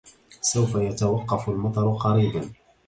سوف يتوقف المطر قريبا